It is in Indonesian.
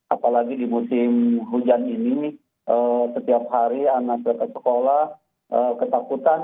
apalagi di musim hujan ini setiap hari anak datang sekolah ketakutan